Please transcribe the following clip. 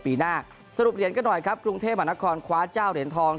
ปีหน้าสรุปเหรียญกันหน่อยครับกรุงเทพมหานครคว้าเจ้าเหรียญทอง